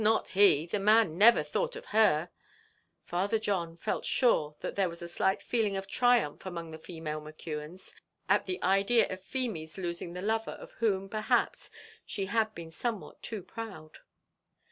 not he the man never thought of her," Father John felt sure that there was a slight feeling of triumph among the female McKeons at the idea of Feemy's losing the lover of whom, perhaps, she had been somewhat too proud.